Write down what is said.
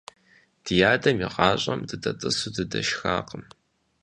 Ди адэм игъащӀэм дыдэтӀысу дыдэшхакъым.